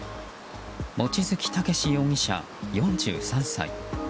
望月健志容疑者、４３歳。